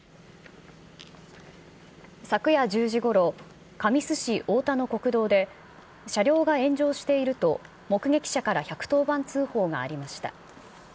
昨夜１０時ごろ、神栖市太田の国道で、車両が炎上していると、目撃者から１１０番通報がありました。